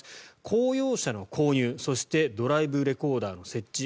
公用車の購入そしてドライブレコーダーの設置